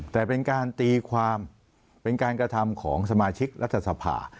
แต่เป็นการตีความเป็นการกระทำของสมาชิกรัฐสภา